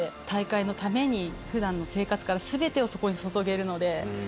大会のために、ふだんの生活からすべてをそこに注げるので。